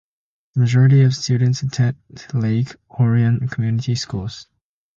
The majority of students attend Lake Orion Community Schools.